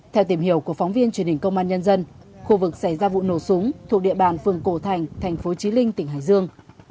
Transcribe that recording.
theo tìm hiểu của phóng viên truyền hình công an nhân dân khu vực xảy ra vụ nổ súng thuộc địa bàn phường cổ thành thành phố trí linh tỉnh hải dương